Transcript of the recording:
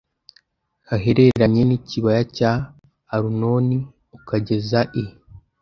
hahereranye n ikibaya cya Arunoni ukageza i